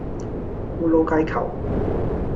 咕嚕雞球